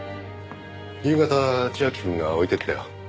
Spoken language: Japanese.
夕方千明くんが置いていったよ。